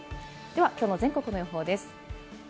では、きょうの全国の予報です。